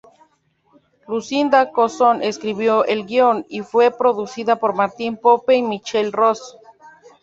Lucinda Coxon escribió el guion, y fue producida por Martin Pope y Michael Rose.